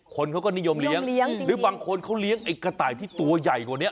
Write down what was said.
คนเขาก็นิยมเลี้ยงหรือบางคนเขาเลี้ยงไอ้กระต่ายที่ตัวใหญ่กว่านี้